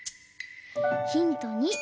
ヒント２。